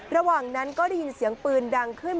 ระหว่างนั้นก็ได้ยินเสียงปืนดังขึ้น